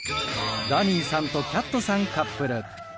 ダニーさんとキャットさんカップル。